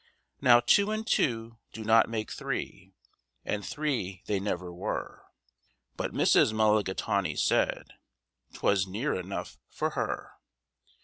Now two and two do not make three, and three they never were; But Mrs. Mulligatawny said 'twas near enough for her.